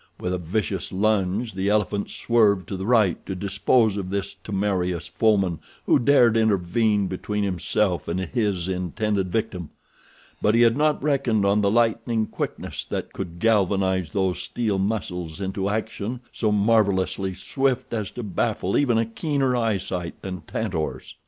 With a vicious lunge the elephant swerved to the right to dispose of this temerarious foeman who dared intervene between himself and his intended victim; but he had not reckoned on the lightning quickness that could galvanize those steel muscles into action so marvelously swift as to baffle even a keener eyesight than Tantor's.